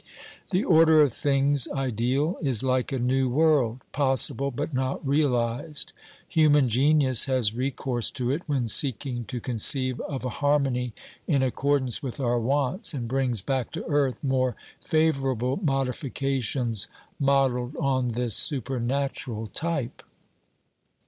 The order of things ideal is like a new world, possible but not realised ; human genius has recourse to it when seeking to conceive of a harmony in accordance with our wants, and brings back to earth more favourable modifications modelled on this supernatural type.